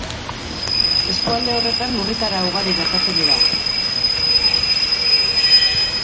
Eskualde horretan lurrikara ugari gertatzen dira.